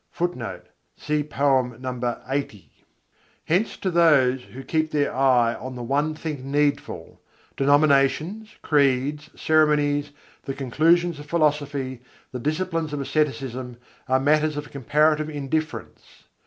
[Footnote: No. LXXX.] Hence to those who keep their eye on the "one thing needful," denominations, creeds, ceremonies, the conclusions of philosophy, the disciplines of asceticism, are matters of comparative indifference.